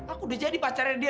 aku udah jadi pacarnya dia